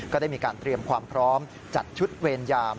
ก็ได้มีการเตรียมความพร้อมจัดชุดเวรยาม